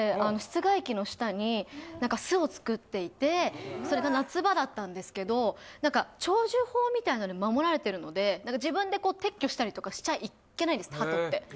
あの室外機の下に何か巣を作っていてそれが夏場だったんですけど何か鳥獣法みたいなので守られてるので自分でこう撤去したりとかしちゃいけないんです鳩って。